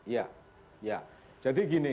ya jadi gini